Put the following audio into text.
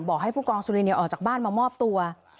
ให้ผู้กองสุรินออกจากบ้านมามอบตัว